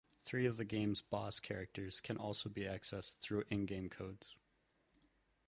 Three of the game's boss characters can also be accessed through in-game codes.